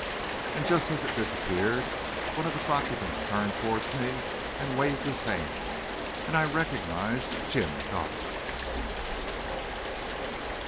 And just as it disappeared, one of its occupants turned toward me and waved his hand and I recognised Jim Godfrey.